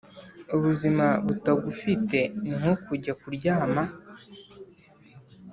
ubuzima butagufite ni nko kujya kuryama